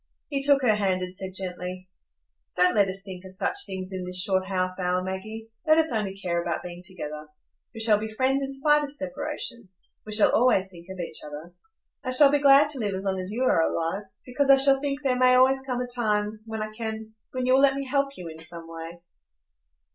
He took her hand and said gently: "Don't let us think of such things in this short half hour, Maggie. Let us only care about being together. We shall be friends in spite of separation. We shall always think of each other. I shall be glad to live as long as you are alive, because I shall think there may always come a time when I can—when you will let me help you in some way."